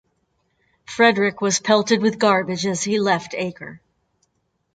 Frederick was pelted with garbage as he left Acre.